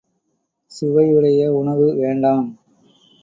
சுவையுடைய உணவு வேண்டாம்!